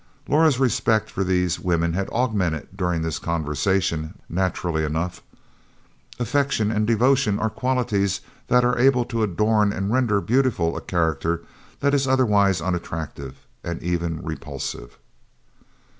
Laura's respect for these women had augmented during this conversation, naturally enough; affection and devotion are qualities that are able to adorn and render beautiful a character that is otherwise unattractive, and even repulsive.